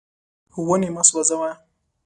ونې مه سوځوه.